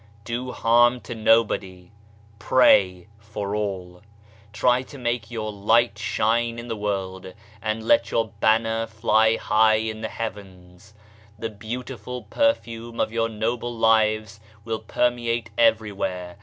Do harm to no body ; pray for all ; try to make your light shine in the PASTOR WAGNER'S CHURCH 109 world and. let your banner fly high in the Heavens. The beautiful perfume of your noble lives will permeate every where.